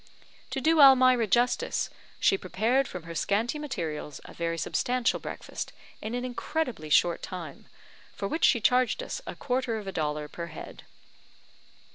To do Almira justice, she prepared from her scanty materials a very substantial breakfast in an incredibly short time, for which she charged us a quarter of a dollar per head.